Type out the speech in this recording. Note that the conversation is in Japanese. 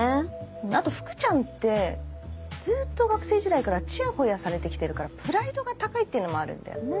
あと福ちゃんってずっと学生時代からチヤホヤされてきてるからプライドが高いっていうのもあるんだよね？